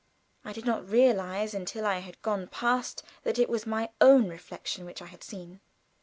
I did not realize until I had gone past that it was my own reflection which I had seen.